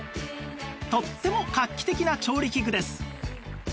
とっても画期的な調理器具です